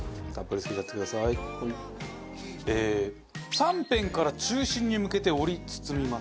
３辺から中心に向けて折り包みます。